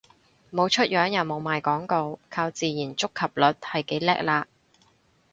冇出樣又冇賣廣告，靠自然觸及率係幾叻喇